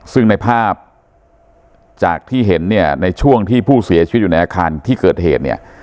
ซึ่งในภาพจากที่เห็นเนี่ยในช่วงที่ผู้เสียชีวิตอยู่ในอาคารที่เกิดเหตุเนี่ย